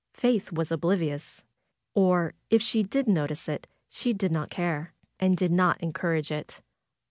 Faith was oblivious. Or if she did notice it she did not care, and did not encourage it.